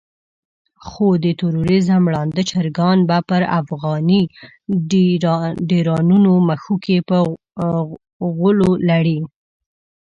خو د تروريزم ړانده چرګان به پر افغاني ډيرانونو مښوکې په غولو لړي.